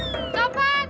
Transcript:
tolong ya allah copet